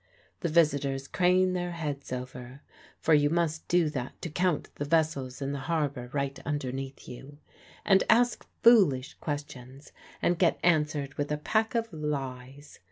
The visitors crane their heads over (for you must do that to count the vessels in the harbour right underneath you), and ask foolish questions, and get answered with a pack of lies.